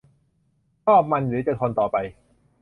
ชอบมันหรือจะทนต่อไป